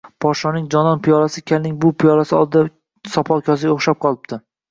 Podshoning jonon piyolasi kalning bu piyolasi oldida sopol kosaga o‘xshab qolibdi